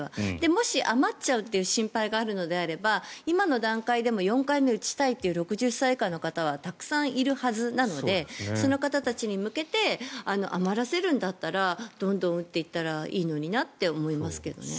もし、余っちゃうという心配があるのであれば今の段階でも４回目を打ちたいという６０歳以下の方はたくさんいるはずなのでその方たちに向けて余らせるんだったらどんどん打っていったらいいのになと思いますよね。